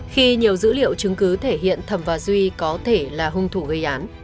khi nhiều dữ liệu chứng cứ thể hiện thẩm và duy có thể là hung thủ gây án